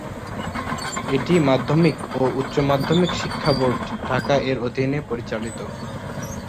এটি মাধ্যমিক ও উচ্চ মাধ্যমিক শিক্ষা বোর্ড, ঢাকা এর অধীনে পরিচালিত।